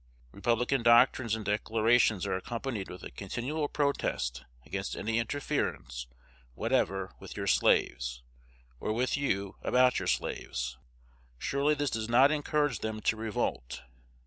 Republican doctrines and declarations are accompanied with a continual protest against any interference whatever with your slaves, or with you about your slaves. Surely this does not encourage them to revolt.